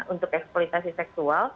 untuk eksploitasi seksual